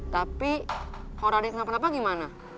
tapi orang raden tidak pernah bagaimana